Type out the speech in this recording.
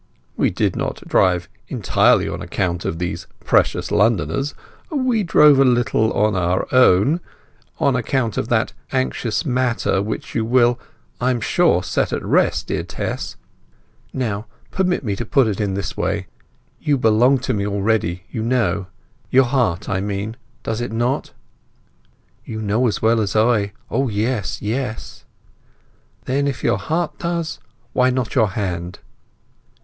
"We did not drive entirely on account of these precious Londoners; we drove a little on our own—on account of that anxious matter which you will, I am sure, set at rest, dear Tess. Now, permit me to put it in this way. You belong to me already, you know; your heart, I mean. Does it not?" "You know as well as I. O yes—yes!" "Then, if your heart does, why not your hand?"